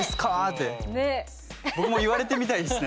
僕も言われてみたいですね。